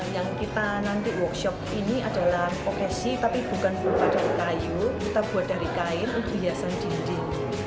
yang kita nanti workshop ini adalah kokeshi tapi bukan pun pada kayu kita buat dari kain untuk hiasan jendim